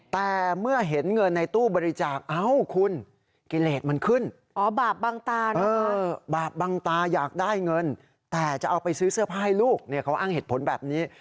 แต่จะเอาไปซื้อเสื้อผ้าให้ลูกเขาอ้างเหตุผลแบบนี้